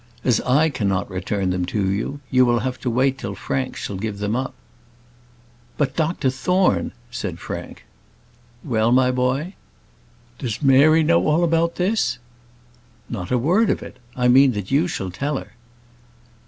As I cannot return them to you, you will have to wait till Frank shall give them up." "But, Dr Thorne," said Frank. "Well, my boy." "Does Mary know all about this?" "Not a word of it. I mean that you shall tell her."